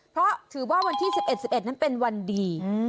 เพราะถือว่าวันที่๑๑๑นั้นเป็นวันดี